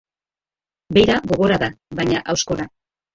Beira gogorra da, baina hauskorra